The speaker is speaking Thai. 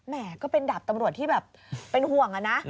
ก็เป็นดาบตำรวจที่แบบเป็นห่วงอะนะ